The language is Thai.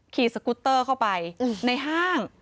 สกุตเตอร์เข้าไปในห้าง